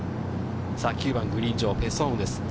９番グリーン上、ペ・ソンウです。